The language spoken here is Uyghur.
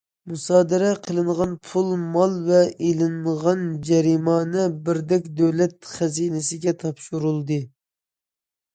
مۇسادىرە قىلىنغان پۇل- مال ۋە ئېلىنغان جەرىمانە بىردەك دۆلەت خەزىنىسىگە تاپشۇرۇلىدۇ.